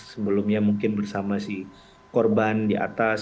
sebelumnya mungkin bersama si korban di atas